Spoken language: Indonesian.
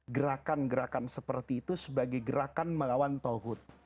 gerakan gerakan seperti itu sebagai gerakan melawan tauhud